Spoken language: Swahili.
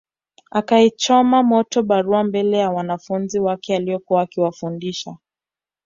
Akaichoma moto barua mbele ya wanafunzi wake aliokuwa akiwafundisha